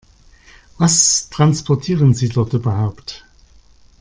Was transportieren Sie dort überhaupt?